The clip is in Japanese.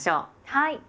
はい。